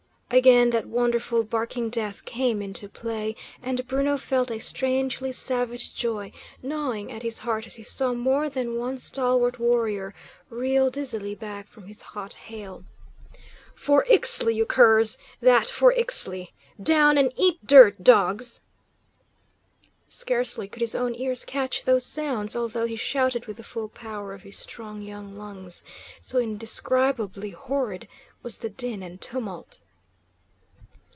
Again that wonderful barking death came into play, and Bruno felt a strangely savage joy gnawing at his heart as he saw more than one stalwart warrior reel dizzily back from his hot hail. "For Ixtli, you curs! That for Ixtli! Down, and eat dirt, dogs!" Scarcely could his own ears catch those sounds, although he shouted with the full power of his strong young lungs, so indescribably horrid was the din and tumult.